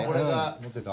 持ってた？